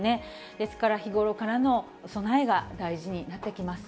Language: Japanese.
ですから、日頃からの備えが大事になってきます。